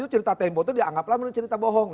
cerita tmpo itu dianggaplah cerita bohong